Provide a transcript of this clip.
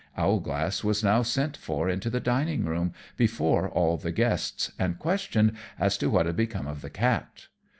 Owlglass was now sent for into the dining room, before all the guests, and questioned as to what had become of the cat.